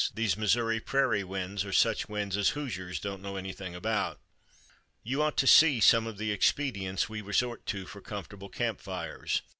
These Missouri prairie winds are such winds as Hoosiers don't know anything about. "You ought to see some of the expedients we resort to for comfortable camp fires.